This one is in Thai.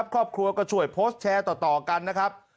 ครอบครัวก็ช่วยโพสต์แชร์ต่อกันนะครับ